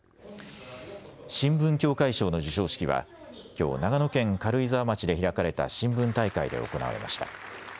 新聞協会賞の授賞式はきょう長野県軽井沢町で開かれた新聞大会で行われました。